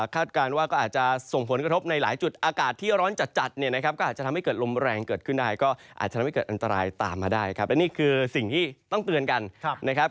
คุณผู้ชมดูภาพอากาศหลังจากนี้เนี่ยนะครับบริเวณตอนกลางประเทศช่วงเช้าวันนี้เนี่ยนะครับ